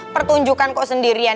pertunjukan kok sendirian